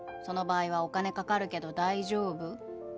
その場合はお金かかるけど大丈夫？